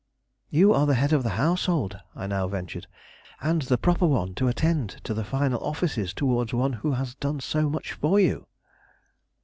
"You are the head of the household," I now ventured, "and the proper one to attend to the final offices towards one who has done so much for you."